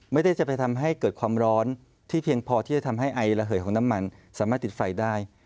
ไม่ได้จะไปทำให้เกิดความร้อนที่เพียงพอที่จะทำให้ไอระเหยของน้ำมันสามารถติดไฟได้